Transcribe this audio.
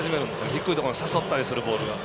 低いところに誘ったりするボール。